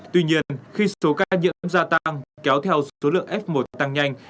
tuy nhiên khi số ca nhiễm gia tăng kéo theo số lượng f một tăng nhanh